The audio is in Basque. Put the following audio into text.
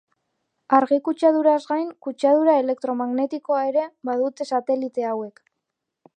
Argi kutsaduraz gain, kutsadura elektromagnetikoa ere badute satelite hauek.